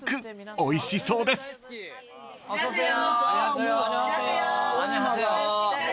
おいしいですよ。